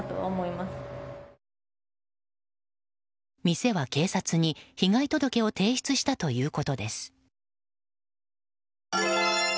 店は警察に被害届を提出したということです。